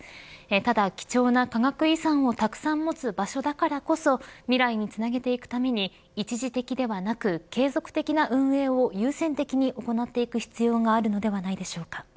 ただ貴重な科学遺産をたくさん持つ場所だからこそ未来につなげていくために一時的ではなく、継続的な運営を優先的に行っていく必要があるのではないでしょうか。